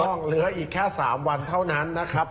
เหลืออีกแค่๓วันเท่านั้นนะครับ